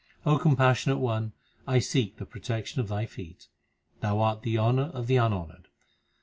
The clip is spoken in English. O Compassionate One, I seek the protection of Thy feet ; Thou art the honour of the unhonoured.